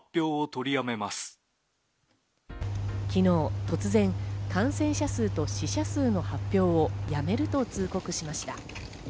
昨日突然、感染者数と死者数の発表をやめると通告しました。